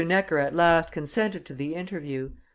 Necker at last consented to the interview.